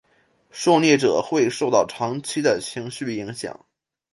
受虐者会受到长期的情绪影响。